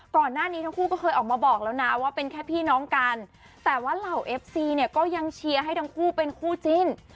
ก่อนหน้านี้ทั้งคู่ก็เคยออกมาบอกแล้วนะว่าเป็นแค่พี่น้องกันแต่ว่าเหล่าเอฟซีเนี่ยก็ยังเชียร์ให้ทั้งคู่เป็นคู่จิ้น